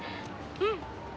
うん！